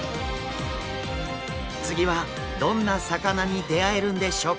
次はどんな魚に出会えるんでしょうか？